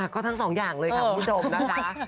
ก็ทั้งสองอย่างเลยค่ะคุณผู้ชมนะคะ